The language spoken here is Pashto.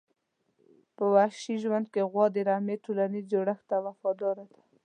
په وحشي ژوند کې غوا د رمي ټولنیز جوړښت ته وفاداره ده.